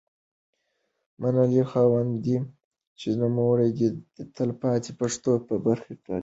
منلي خاوندان دي. چې نومونه یې د تلپا تي پښتو په تاریخ کي